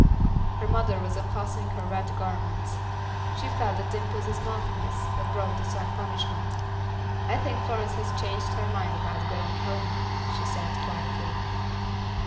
Her mother was unfastening her wet garments. She felt that Dimple's naughtiness had brought its own punishment. "I think Florence has changed her mind about going home," she said, quietly.